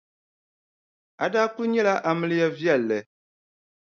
A daa kuli nyɛla amiliya viɛlli.